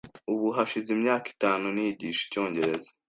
Ubu hashize imyaka itanu nigisha icyongereza.